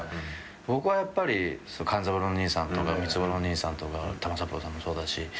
僕はやっぱり勘三郎兄さんとか三津五郎兄さんとか玉三郎さんもそうだし。